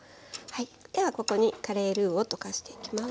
ではここにカレールーを溶かしていきます。